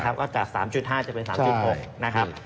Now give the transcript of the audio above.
ก็จาก๓๕จะเป็น๓๖นะครับ